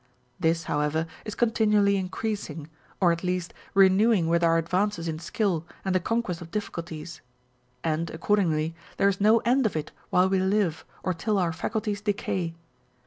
This, however, is continually increasing, or at least renewing with our advances in skill and the conquest of difficulties ; and, accordingly, there is no end of it while we live or till our faculties decay.